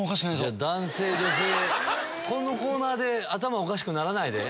このコーナーで頭おかしくならないで。